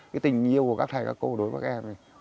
cái tình yêu của các thầy các cô đối với các em này